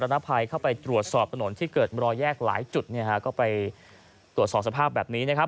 นภัยเข้าไปตรวจสอบถนนที่เกิดรอยแยกหลายจุดเนี่ยฮะก็ไปตรวจสอบสภาพแบบนี้นะครับ